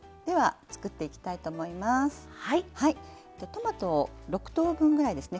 トマト６等分ぐらいですね。